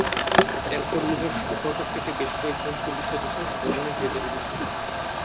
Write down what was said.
এরপর লোহার ফটক কেটে বেশ কয়েকজন পুলিশ সদস্য ভবনের ভেতরে ঢোকে।